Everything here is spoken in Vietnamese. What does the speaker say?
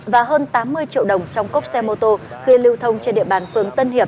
và hơn tám mươi triệu đồng trong cốc xe mô tô khi lưu thông trên địa bàn phường tân hiệp